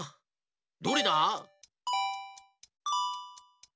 どれだ？